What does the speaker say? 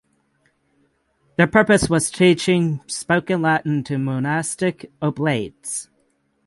Their purpose was teaching spoken Latin to monastic oblates.